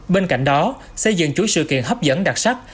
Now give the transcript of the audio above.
bên cạnh đó xây dựng chuỗi sự kiện hấp dẫn đặc sắc